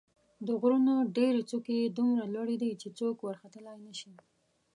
د غرونو ډېرې څوکې یې دومره لوړې دي چې څوک ورختلای نه شي.